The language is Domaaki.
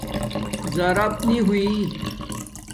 زراپ نی ہوی